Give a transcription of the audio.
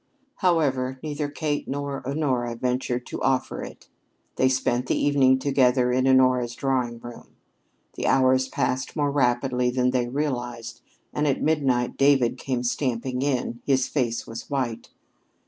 However, neither Kate nor Honora ventured to offer it. They spent the evening together in Honora's drawing room. The hours passed more rapidly than they realized, and at midnight David came stamping in. His face was white.